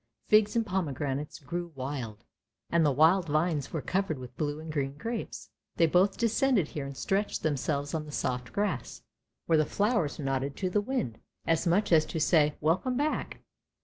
Figs and pomegranates grew wild, and the wild vines were covered with blue and green grapes. They both descended here and stretched themselves on the soft grass, where the flowers nodded to the wind, as much as to say, " Welcome back."